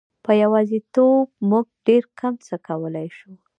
په یوازیتوب موږ ډېر کم څه کولای شو.